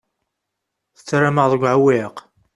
Tettarram-aɣ deg uɛewwiq.